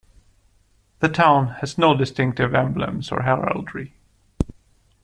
The town has no distinctive emblems or heraldry.